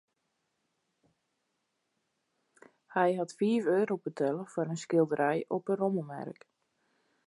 Hy hat fiif euro betelle foar it skilderij op in rommelmerk.